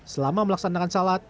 selama melaksanakan sholat